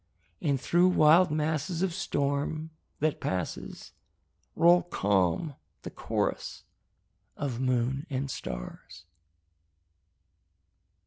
And through wild masses of storm, that passes, Roll calm the chorus of moon and stars.